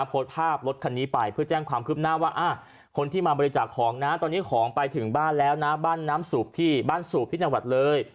โพสต์ภาพรถคันนี้ไปเพื่อแจ้งความคืบหน้าว่าคนที่มาบริจาคของนะตอนนี้ของไปถึงบ้านแล้วนะบ้านน้ำสูบที่บ้านสูบที่จังหวัดเลย